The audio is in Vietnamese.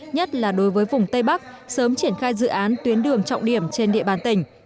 nhất là đối với vùng tây bắc sớm triển khai dự án tuyến đường trọng điểm trên địa bàn tỉnh